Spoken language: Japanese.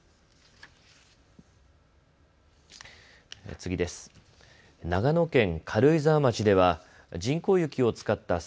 次です。